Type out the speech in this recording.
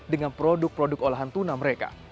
dengan produk produk olahan tuna mereka